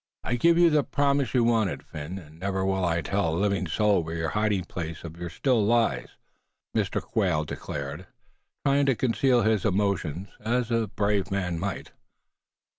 "I give you the promise you wanted, Phin, and never will I tell a living soul where the hiding place of your Still lies," Mr. Quail declared, trying to conceal his emotion as a brave man might.